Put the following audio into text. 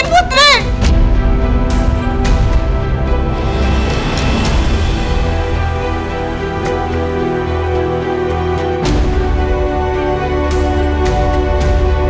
kau pahala poo kasih zijn anda